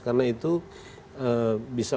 karena itu bisa